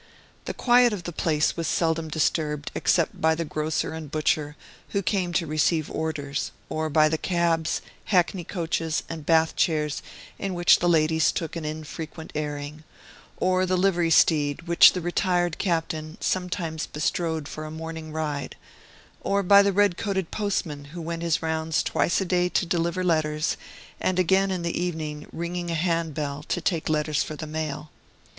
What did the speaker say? The quiet of the place was seldom disturbed, except by the grocer and butcher, who came to receive orders, or by the cabs, hackney coaches, and Bath chairs, in which the ladies took an infrequent airing, or the livery steed which the retired captain sometimes bestrode for a morning ride, or by the red coated postman who went his rounds twice a day to deliver letters, and again in the evening, ringing a hand bell, to take letters for the mail.